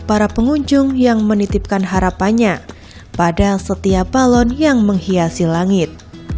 para pengunjung yang menitipkan harapannya pada setiap balon yang menghiasi langit